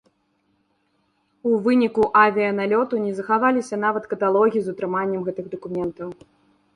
У выніку авіяналёту не захаваліся нават каталогі з утрыманнем гэтых дакументаў.